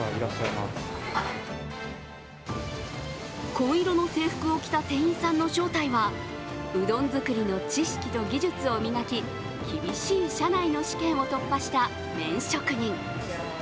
紺色の制服を着た店員さんの正体は、うどん作りの知識と技術を磨き、厳しい社内の試験を突破した麺職人。